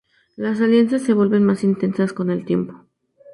Las alianzas se vuelven más intensas con el tiempo.